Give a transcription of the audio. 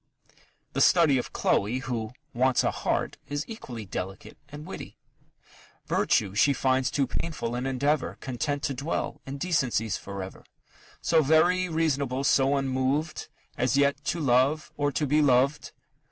The study of Chloe, who "wants a heart," is equally delicate and witty: Virtue she finds too painful an endeavour, Content to dwell in decencies for ever So very reasonable, so unmoved, As never yet to love, or to be loved.